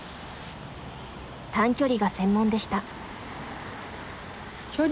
短距離が専門でした。